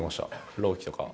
朗希とかは。